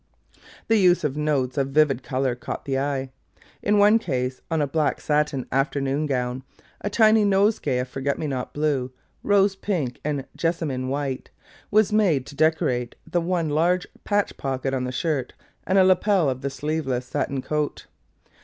The use of notes of vivid colour caught the eye. In one case, on a black satin afternoon gown, a tiny nosegay of forget me not blue, rose pink and jessamine white, was made to decorate the one large patch pocket on the skirt and a lapel of the sleeveless satin coat.